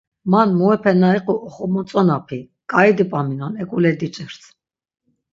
Man muepe na iqu oxomotzonapi, k̆aidi p̆aminon, ek̆ule diç̆irs.